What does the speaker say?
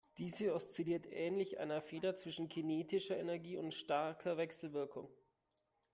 Diese oszilliert ähnlich einer Feder zwischen kinetischer Energie und starker Wechselwirkung.